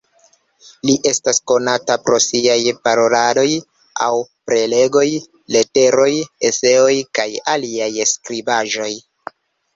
Li estas konata pro siaj Paroladoj aŭ Prelegoj, leteroj, eseoj kaj aliaj skribaĵoj.